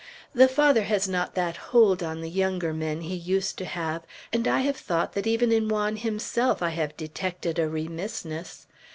"The Father has not that hold on the younger men he used to have, and I have thought that even in Juan himself I have detected a remissness.